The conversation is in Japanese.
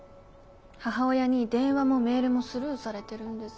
母親に電話もメールもスルーされてるんです。